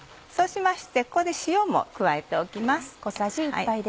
そうしましてここで塩も加えておきます。